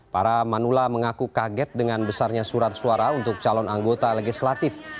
para manula mengaku kaget dengan besarnya surat suara untuk calon anggota legislatif